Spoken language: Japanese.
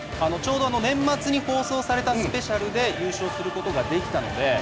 ちょうど年末に放送されたスペシャルで優勝する事ができたので。